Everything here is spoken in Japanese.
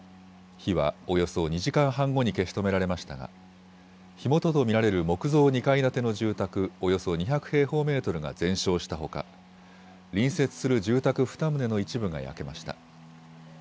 火はおよそ２時間半後に消し止められましたが、火元と見られる木造２階建ての住宅およそ２００平方メートルが全焼したほか隣接する住宅２棟の一部が焼けました。